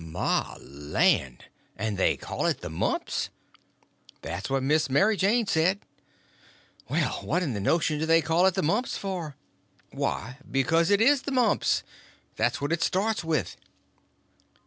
"My land! And they call it the mumps?" "That's what Miss Mary Jane said." "Well, what in the nation do they call it the mumps for?" "Why, because it is the mumps. That's what it starts with."